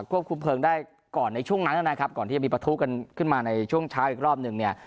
ควบคุมเพลิงได้ก่อนในช่วงนั้นนะครับก่อนที่จะมีประทุกันขึ้นมาในช่วงเช้าอีกรอบหนึ่งเนี่ย